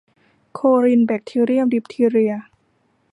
โครินแบคทีเรียมดิฟทีเรีย